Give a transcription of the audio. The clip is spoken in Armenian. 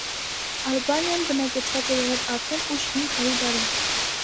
Ալբանիան բնակեցված է եղել արդեն ուշ հին քարի դարում։